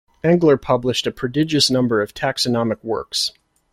Engler published a prodigious number of taxonomic works.